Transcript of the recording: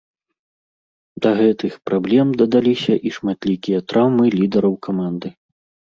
Да гэтых праблем дадаліся і шматлікія траўмы лідараў каманды.